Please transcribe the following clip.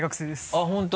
あっ本当。